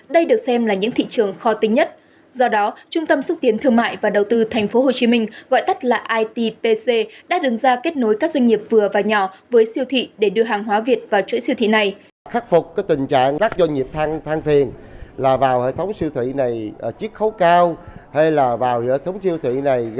đây được xem là những thị trường khó tính nhất do đó trung tâm xuất tiến thương mại và đầu tư tp hcm gọi tắt là itpc đã đứng ra kết nối các doanh nghiệp vừa và nhỏ với siêu thị để đưa hàng hóa việt vào chuỗi siêu thị này